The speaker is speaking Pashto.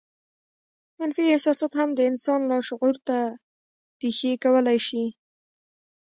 منفي احساسات هم د انسان لاشعور ته رېښې کولای شي